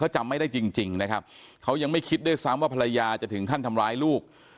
จำไม่ได้จริงนะครับเขายังไม่คิดด้วยซ้ำว่าภรรยาจะถึงขั้นทำร้ายลูก